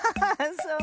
そう？